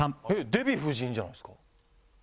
デヴィ夫人じゃないですか？